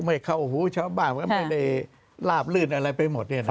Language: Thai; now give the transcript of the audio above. ไม่เข้าหูชาวบ้านก็ไม่ได้ลาบลื่นอะไรไปหมด